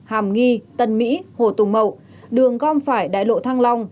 hàm nghi tân mỹ hồ tùng mậu đường gom phải đại lộ thăng long